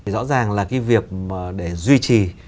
rõ ràng là cái việc để duy trì